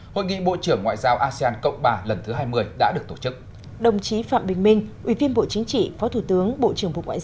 hội nghị bộ trưởng ngoại giao asean cộng ba lần thứ hai mươi đã được tổ chức